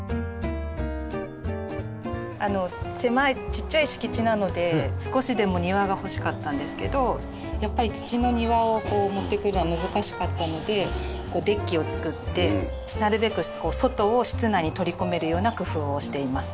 狭いちっちゃい敷地なので少しでも庭が欲しかったんですけどやっぱり土の庭を持ってくるのは難しかったのでデッキを作ってなるべく外を室内に取り込めるような工夫をしています。